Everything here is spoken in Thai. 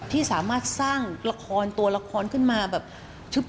ที่สามารถสร้างละครตัวละครขึ้นมาแบบชึบ